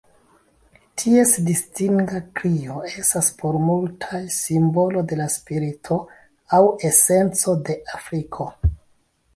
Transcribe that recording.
Ties distinga krio estas, por multaj, simbolo de la spirito aŭ esenco de Afriko.